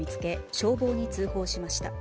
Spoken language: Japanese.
消防に通報しました。